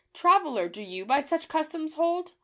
Traveller, do you by such customs hold